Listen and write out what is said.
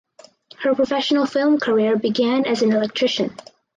Her professional film career began as an electrician.